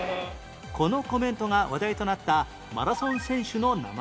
このコメントが話題となったマラソン選手の名前は？